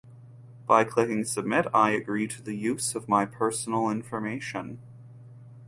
by clicking submit, I agree to the use of my personal information